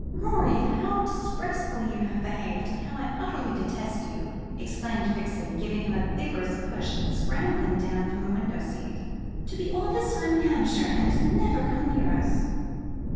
"Rorie, how disgracefully you have behaved, and how utterly I detest you!" exclaimed Vixen, giving him a vigorous push, and scrambling down from the window seat. "To be all this time in Hampshire and never come near us."